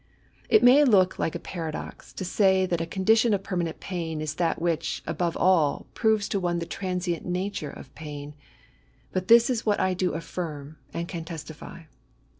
It may look like a paradox to say that a condition of permanent pain is that which, above all, proves to one the transient nature of pain ; but this is what I do affirm, and can testify.